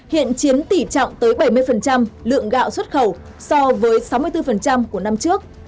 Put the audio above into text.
hiện chiến tỉ trọng tới bảy mươi lượng gạo xuất khẩu so với sáu mươi bốn của năm trước